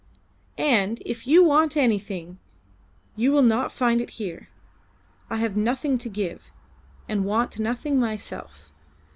And if you want anything, you will not find it here; I have nothing to give, and want nothing myself.